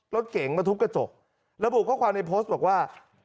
รถเก๋งมาทุบกระจกแล้วบุคค้าในโพสต์บอกว่า